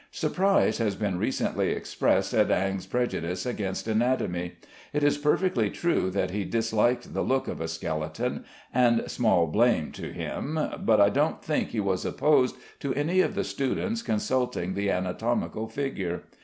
Surprise has been recently expressed at Ingres' prejudice against anatomy. It is perfectly true that he disliked the look of a skeleton, and small blame to him, but I don't think he was opposed to any of the students consulting the anatomical figure.